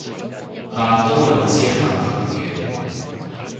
但都有遮下佢嘅